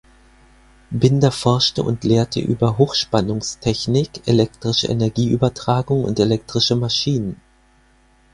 Binder forschte und lehrte über Hochspannungstechnik, elektrische Energieübertragung und elektrische Maschinen.